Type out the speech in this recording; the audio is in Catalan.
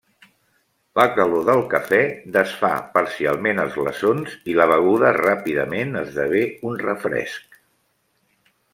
La calor del cafè desfà parcialment els glaçons i la beguda ràpidament esdevé un refresc.